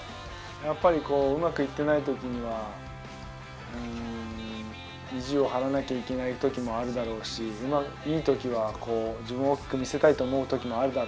やっぱりこううまくいってない時には意地を張らなきゃいけない時もあるだろうしいい時はこう自分を大きく見せたいと思う時もあるだろうし。